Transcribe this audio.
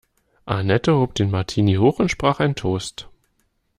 Annette hob den Martini hoch und sprach ein Toast.